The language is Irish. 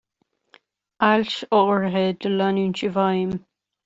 Ailt áirithe do leanúint i bhfeidhm.